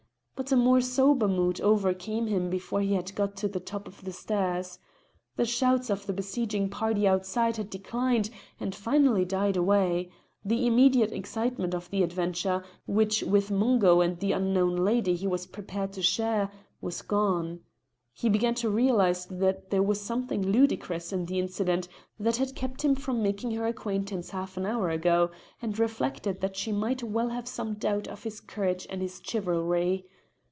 But a more sober mood overcame him before he had got to the top of the stair. The shouts of the besieging party outside had declined and finally died away; the immediate excitement of the adventure, which with Mungo and the unknown lady he was prepared to share, was gone. He began to realise that there was something ludicrous in the incident that had kept him from making her acquaintance half an hour ago, and reflected that she might well have some doubt of his courage and his chivalry.